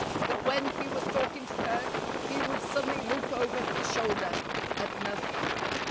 That when he was talking to her he would suddenly look over his shoulder at nothing.